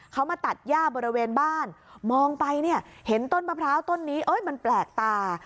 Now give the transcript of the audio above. เขามาตัดย่าบริเวณบ้านมองไปเนี่ยเห็นต้นมะพร้าวต้นนี้มันแปลกตา